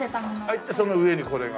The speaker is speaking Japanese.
入ってその上にこれが。